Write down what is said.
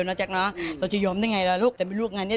อยากจะมาเอ้าเป็นโควิดอย่างนี้อะไรอย่างนี้